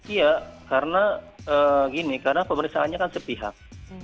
iya karena gini karena pemeriksaannya kan sepihak